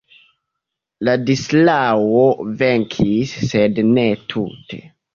Ladislao venkis, sed ne tute.